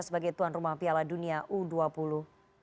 sebagai tuan rumah piala dunia u dua puluh